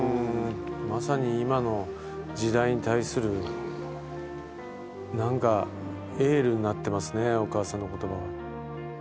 まさに今の時代に対する何かエールになってますねお母さんの言葉が。